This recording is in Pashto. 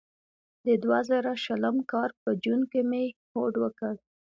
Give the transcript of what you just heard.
د دوه زره شلم کال په جون کې مې هوډ وکړ.